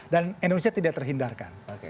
dan indonesia tidak terhindarkan